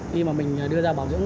khi mà mình đưa ra bảo dưỡng